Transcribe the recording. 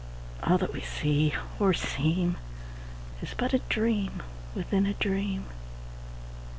All that we see or seem Is but a dream within a dream.